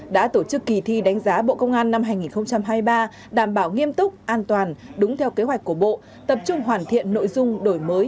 đã tổ chức kỳ thi đánh giá bộ công an năm hai nghìn hai mươi ba đảm bảo nghiêm túc an toàn đúng theo kế hoạch của bộ tập trung hoàn thiện nội dung đổi mới